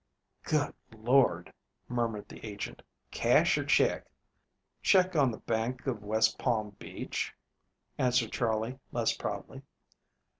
"Good Lord!" murmured the agent. "Cash or check?" "Check on the Bank of West Palm Beach," answered Charley less proudly.